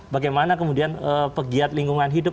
bagaimana kemudian pegiat lingkungan hidup